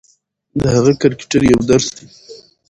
د هغه کرکټر یو درس دی.